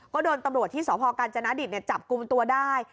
ก็โดนตำรวจที่สพกรรจนาดิษฐ์เนี่ยจับกุมตัวได้